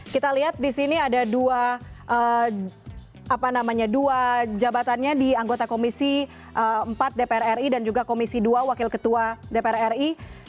kita lihat di sini ada dua jabatannya di anggota komisi empat dpr ri dan juga komisi dua wakil ketua dpr ri